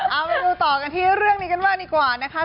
เอามาดูต่อกันที่เรื่องนี้กันบ้างดีกว่านะคะ